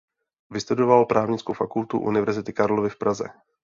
Vystudoval Právnickou fakultu Univerzity Karlovy v Praze.